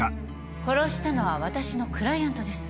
殺したのは私のクライアントです。